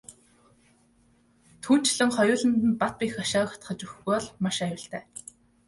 Түүнчлэн хоёуланд нь бат бэх хашаа хатгаж өгөхгүй бол маш аюултай.